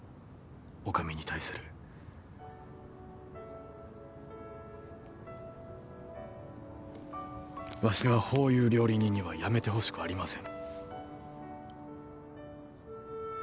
お上に対するわしはほういう料理人には辞めてほしくありません